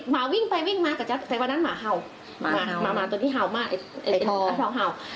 หมาวิ่งไปวิ่งมาก็จะแต่วันนั้นหมาเห่าหมาตัวนี้เห่ามากเห่า